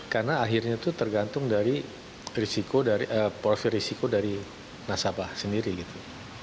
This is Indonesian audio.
karena akhirnya itu tergantung dari risiko dari profit risiko dari nasabah sendiri gitu